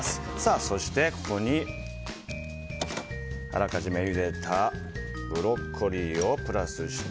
そして、ここにあらかじめゆでたブロッコリーをプラスして。